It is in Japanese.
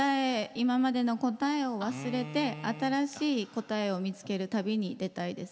今までの答えを忘れて新しい答えを見つける旅に出たいです